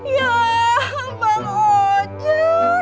ya bang uci